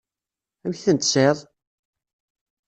Amek i ten-tesɛiḍ?